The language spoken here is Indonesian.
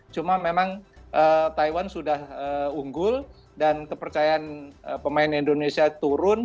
cuma memang taiwan sudah unggul dan kepercayaan pemain indonesia turun